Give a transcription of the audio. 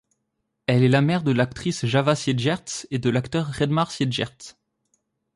Elle est la mère de l'actrice Java Siegertsz et de l'acteur Redmar Siegertsz.